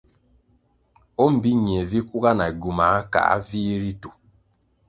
O mbpi ñie vi kuga na gywumā kāa vih ritu.